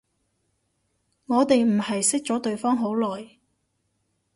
我哋唔係識咗對方好耐